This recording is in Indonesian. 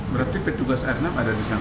berarti petugas airnav ada di sana